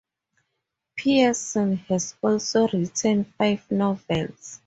Pearson has also written five novels.